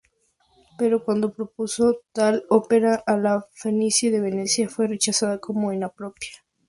Pero cuando propuso tal ópera a La Fenice en Venecia, fue rechazada como inapropiada.